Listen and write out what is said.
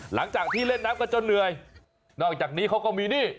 หลังจากที่เล่นน้ำกันจนเหนื่อยนอกจากนี้เขาก็มีหนี้